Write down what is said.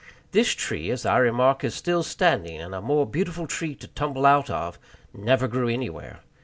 This tree, as I remark, is still standing, and a more beautiful tree to tumble out of never grew anywhere.